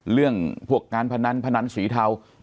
เรื่องพวกการพนันพนันสีเทา